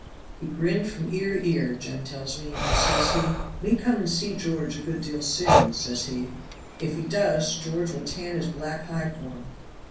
"He grinned from ear to ear, Jem tells me; and says he, 'Me come and see George a good deal soon,' says he." "If he does, George will tan his black hide for him."